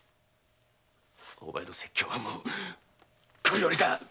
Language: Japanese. お前の説教はもうこりごりだ！